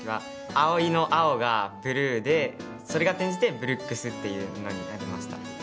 碧生の「碧」が「ブルー」でそれが転じて「ブルックス」っていうのになりました。